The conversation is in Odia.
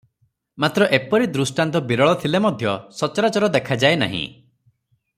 ମାତ୍ର ଏପରି ଦୃଷ୍ଟାନ୍ତ ବିରଳ ଥିଲେ ମଧ୍ୟ ସଚରାଚର ଦେଖାଯାଏ ନାହିଁ ।